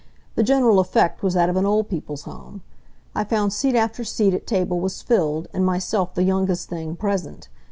The general effect was that of an Old People's Home. I found seat after seat at table was filled, and myself the youngest thing present.